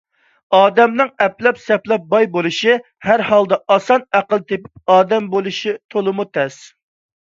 ئادەمنىڭ ئەپلەپ - سەپلەپ باي بولۇشى ھەر ھالدا ئاسان؛ ئەقىل تېپىپ ئادەم بولۇشى تولىمۇ تەس.